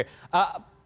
itu dari saya